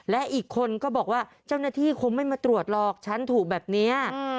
และอีกคนก็บอกว่าเจ้าหน้าที่คงไม่มาตรวจหรอกฉันถูกแบบนี้